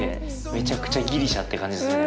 めちゃくちゃギリシャって感じするね。